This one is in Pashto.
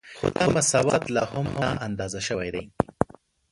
خو دا مساوات لا هم نااندازه شوی دی